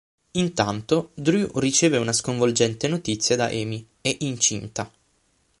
Intanto, Drew riceve una sconvolgente notizia da Amy: è incinta.